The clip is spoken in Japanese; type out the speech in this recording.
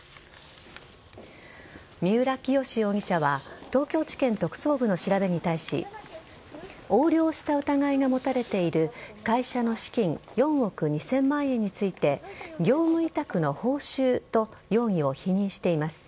三浦清志容疑者は東京地検特捜部の調べに対し横領した疑いが持たれている会社の資金４億２０００万円について業務委託の報酬と容疑を否認しています。